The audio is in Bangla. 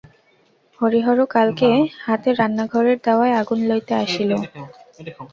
হরিহর কলকে হাতে রান্নাঘরের দাওয়ায় আগুন লাইতে আসিল।